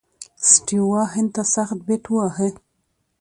سټیو وا هند ته سخت بیټ وواهه.